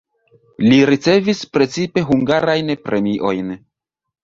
Li ricevis precipe hungarajn premiojn.